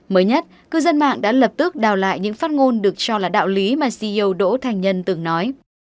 mới nhất cư dân mạng đã lập tức đào lại những phát ngôn được cho là đạo lý mà ceo đỗ thành nhân từng nói